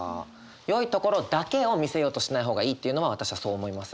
「よいところ」だけを見せようとしない方がいいっていうのは私はそう思います。